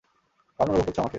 কেমন অনুভব করছ আমাকে?